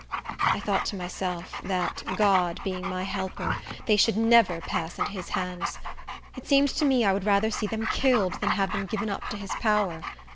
I thought to myself that, God being my helper, they should never pass into his hands. It seemed to me I would rather see them killed than have them given up to his power.